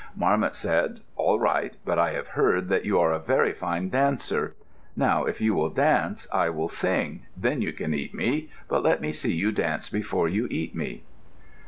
Marmot said, "All right; but I have heard that you are a very fine dancer. Now, if you will dance, I will sing. Then you can eat me, but let me see you dance before you eat me."